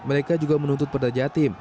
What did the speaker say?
mereka juga menuntut perda jatim